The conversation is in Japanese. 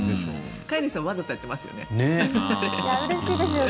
飼い主さんはわざとやってますよね。